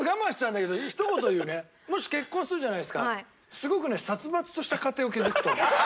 すごく殺伐とした家庭を築くと思う。